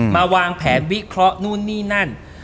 วางแผนวิเคราะห์นู่นนี่นั่น